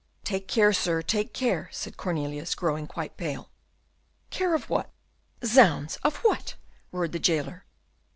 "Take care, sir, take care," said Cornelius, growing quite pale. "Care of what? Zounds! of what?" roared the jailer.